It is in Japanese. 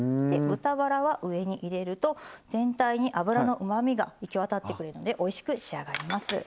豚バラは上に入れると全体に脂のうまみが行き渡ってくれるのでおいしく仕上がります。